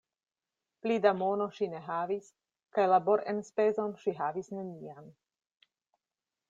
Pli da mono ŝi ne havis, kaj laborenspezon ŝi havis nenian.